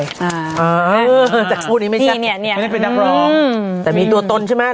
อ๋อแต่พูดนี้ไม่ใช่ไม่ใช่เป็นนักรองแต่มีตัวตนใช่ไหม